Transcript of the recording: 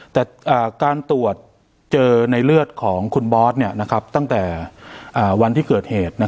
แต่การตรวจเจอในเลือดของคุณบอสตั้งแต่วันที่เกิดเหตุ